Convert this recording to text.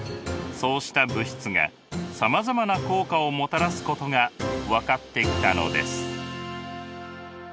そうした物質がさまざまな効果をもたらすことが分かってきたのです。